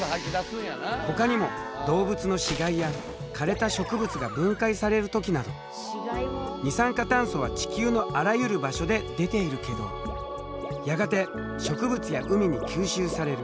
ほかにも動物の死骸やかれた植物が分解される時など二酸化炭素は地球のあらゆる場所で出ているけどやがて植物や海に吸収される。